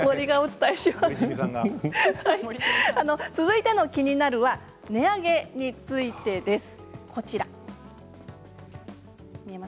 続いての「キニナル」は値上げについてです。